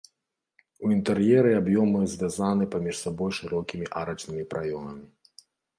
У інтэр'еры аб'ёмы звязана паміж сабой шырокімі арачнымі праёмамі.